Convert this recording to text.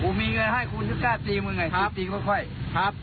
ผมมีเงินให้คุณที่กล้าตีมึงนะครับครับ